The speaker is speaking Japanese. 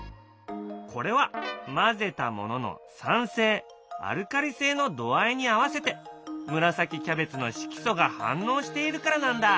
これは混ぜたものの酸性アルカリ性の度合いに合わせて紫キャベツの色素が反応しているからなんだ。